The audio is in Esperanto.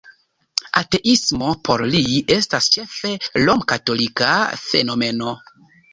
Ateismo por li estas ĉefe romkatolika fenomeno!